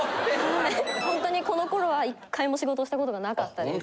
ほんとにこの頃は１回も仕事をしたことが無かったです。